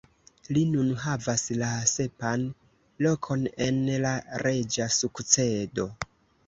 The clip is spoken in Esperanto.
Li nun havas la sepan lokon en la reĝa sukcedo.